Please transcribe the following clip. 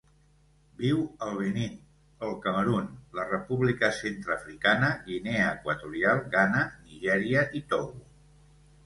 Viu al Benín, el Camerun, la República Centreafricana, Guinea Equatorial, Ghana, Nigèria i Togo.